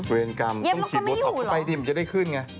เหรียญกรรมต้องฉีดบีลดท็อกเพื่อไปดีมันจะได้ขึ้นไง